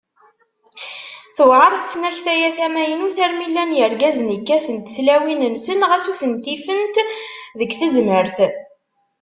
Tewɛer tesnakta-a tamaynut armi llan yirgazen i kkatent tlawin-nsen, ɣas ur ten-ifent deg tezmert.